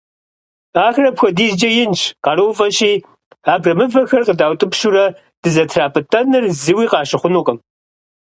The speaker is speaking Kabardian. Ахэр апхуэдизкӀэ инщ, къарууфӀэщи, абрэмывэхэр къыдаутӀыпщурэ дызэтрапӀытӀэныр зыуи къащыхъунукъым.